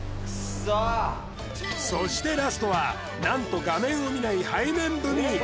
そしてラストは何と画面を見ない背面踏み！